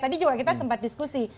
tadi juga kita sempat diskusi